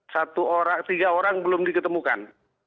satu orang tiga orang belum diketemukan